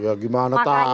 ya gimana tahu